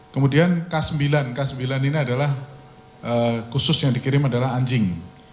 kemudian k sembilan k sembilan ini adalah khusus yang dikirim adalah anjing